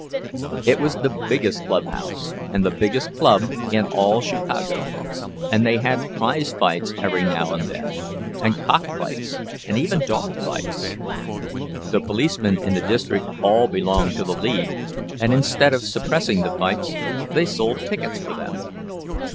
It was the biggest clubhouse, and the biggest club, in all Chicago; and they had prizefights every now and then, and cockfights and even dogfights. The policemen in the district all belonged to the league, and instead of suppressing the fights, they sold tickets for them.